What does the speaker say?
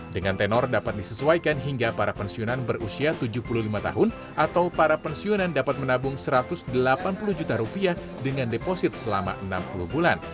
dengan tenor dapat disesuaikan hingga para pensiunan berusia tujuh puluh lima tahun atau para pensiunan dapat menabung satu ratus delapan puluh juta rupiah dengan deposit selama enam puluh bulan